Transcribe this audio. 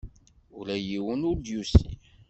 Ula yiwen ur d-yusi.